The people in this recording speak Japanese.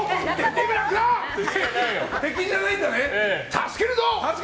助けるぞ！